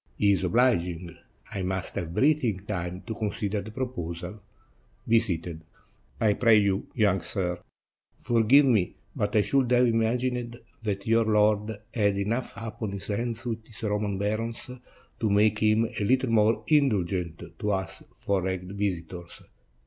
He is obliging; I must have breathing time to consider the proposal. Be seated, I pray you, young sir. Forgive me, but I should have imagined that your lord had enough upon his hands with his Roman barons, to make him a little more indulgent to us foreign visitors.